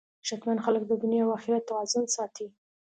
شتمن خلک د دنیا او اخرت توازن ساتي.